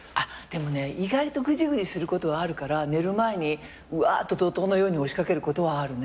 でもね意外とぐじぐじすることはあるから寝る前にうわーっと怒濤のように押し掛けることはあるね。